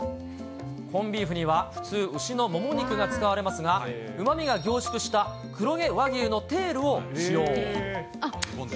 コンビーフには普通、牛のもも肉が使われますが、うまみが凝縮した黒毛和牛のテールを使用。